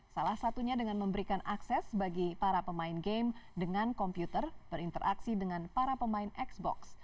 salah satunya dengan memberikan akses bagi para pemain game dengan komputer berinteraksi dengan para pemain xbox